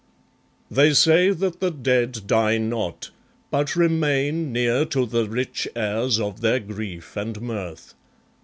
They say that the Dead die not, but remain Near to the rich heirs of their grief and mirth.